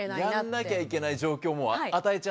やんなきゃいけない状況を与えちゃって。